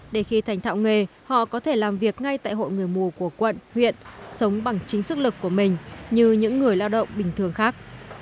để khi thành thạo nghề họ có thể làm việc ngay tại hội người mù của quận huyện sống bằng chính sức lực của mình như những người lao động bình thường khác